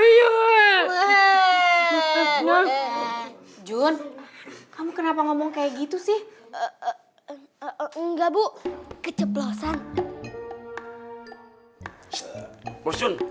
you monyajon kamu kenapa ngomong kayak gitu sih eh enggak bu keceplosan